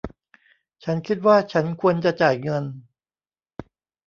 ฉันคิดว่าฉันควรจะจ่ายเงิน